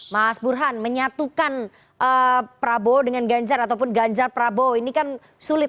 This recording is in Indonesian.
mas burhan menyatukan prabowo dengan ganjar ataupun ganjar prabowo ini kan sulit